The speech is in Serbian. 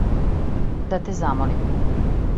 Да те замолим.